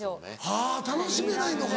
あぁ楽しめないのか。